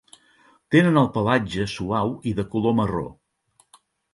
Tenen el pelatge suau i de color marró.